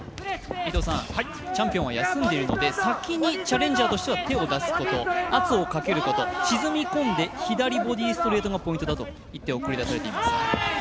チャンピオンは休んでいるので先にチャレンジャーとしては手を出すこと、圧をかけること、沈み込んで左ボディストレートがポイントだといって送り出されています。